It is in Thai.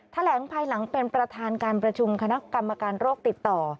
แถลงภายหลังเป็นประธานการประชุมคณะกรรมการโรคติดต่อ